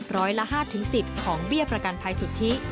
ร้อยละ๕๑๐ของเบี้ยประกันภัยสุทธิ